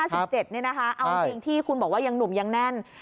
เอาจริงที่คุณบอกว่ายังหนุ่มยังแน่น